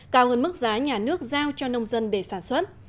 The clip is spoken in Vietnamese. cao hơn mức giá nhà nước giao cho nông dân để sản xuất